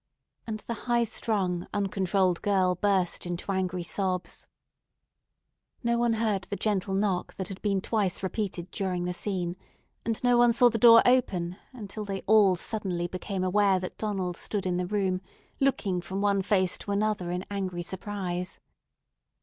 And the high strung, uncontrolled girl burst into angry sobs. No one heard the gentle knock that had been twice repeated during the scene, and no one saw the door open until they all suddenly became aware that Donald stood in the room, looking from one face to another in angry surprise.